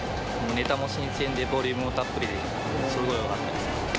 ネタも新鮮でボリュームもたっぷりですごいよかったです。